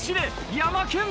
ヤマケン。